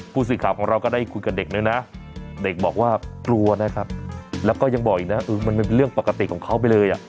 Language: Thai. ผู้สื่อข่าวของเราก็ได้คุยกับเด็กด้วยนะเด็กบอกว่ากลัวนะครับแล้วก็ยังบอกอีกนะมันเป็นเรื่องปกติของเขาไปเลยอ่ะ